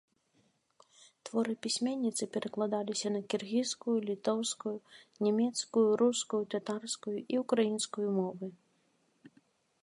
Творы пісьменніцы перакладаліся на кіргізскую, літоўскую, нямецкую, рускую, татарскую і ўкраінскую мовы.